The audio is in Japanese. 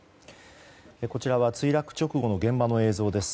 こちらは墜落直後の現場の映像です。